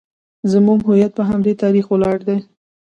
زموږ هویت په همدې تاریخ ولاړ دی